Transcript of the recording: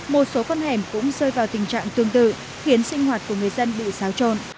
một số con hẻm cũng rơi vào tình trạng tương tự khiến sinh hoạt của người dân bị xáo trộn